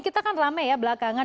kita kan rame ya belakangan